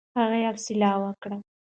هغه اسویلی وکړ.